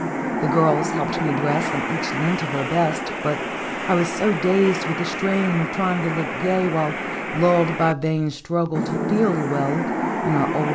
The girls helped me dress, and each lent of her best, but I was so dazed with the strain of trying to look gay, while dulled by vain struggle to feel well, in our old Singeir Jflotfjs.